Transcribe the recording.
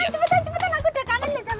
aku udah kangen sama sama